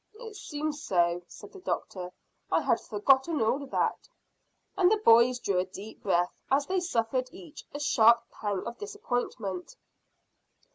"It seems so," said the doctor. "I had forgotten all that," and the boys drew a deep breath as they suffered each a sharp pang of disappointment.